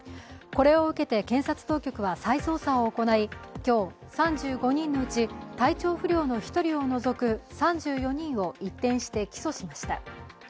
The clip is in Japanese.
これを受けて検察当局は再捜査を行い今日、３５人のうち体調不良の１人を除く３４人を一転して起訴しました。